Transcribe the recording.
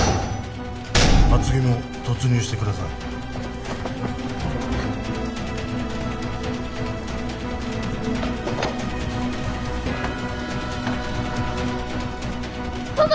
厚木も突入してください友果！